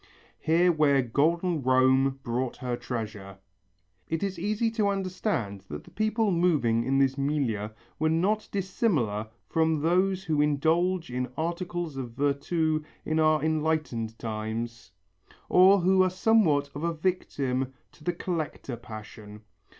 (Here where golden Rome brought her treasure.) It is easy to understand that the people moving in this milieu were not dissimilar from those who indulge in articles of virtu in our enlightened times, or who are somewhat of a victim to the collector passion.